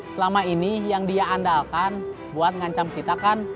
selama ini yang dia andalkan buat ngancam kita kan